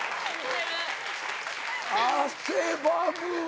汗ばむわ。